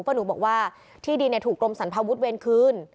ป้าหนูบอกว่าที่ดินเนี่ยถูกลมสรรพวุฒิเวนคืน